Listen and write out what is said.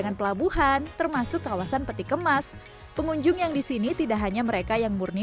tapi semakin ketempatan belakang adiknya ada kasiat hariander chegra